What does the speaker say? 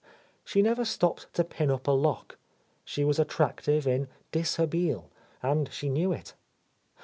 She never stopped to pin up a lock; she was attractive in dishabille, and she knew it.